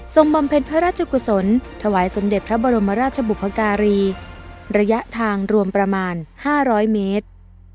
บำเพ็ญพระราชกุศลถวายสมเด็จพระบรมราชบุพการีระยะทางรวมประมาณ๕๐๐เมตร